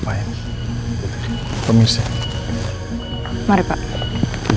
apa yang harus anda lakukan